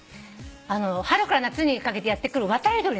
春から夏にかけてやって来る渡り鳥なのね。